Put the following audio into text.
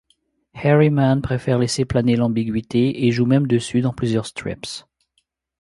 Herriman préfère laisser planer l'ambiguïté, et joue même dessus dans plusieurs strips.